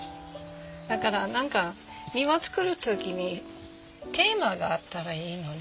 だから何か庭造る時にテーマがあったらいいのね。